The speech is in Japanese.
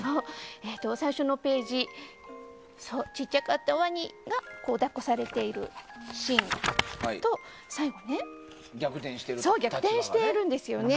最初のページ、ちっちゃかったワニが抱っこされているシーンと最後、逆転しているんですね。